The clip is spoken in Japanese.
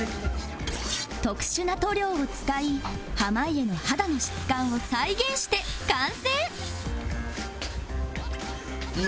特殊な塗料を使い濱家の肌の質感を再現して完成